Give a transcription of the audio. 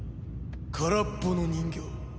空っぽの人形。